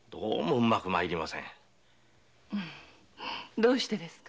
どうしてですか？